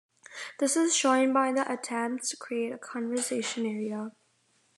This is shown by the attempts to create a conservation area.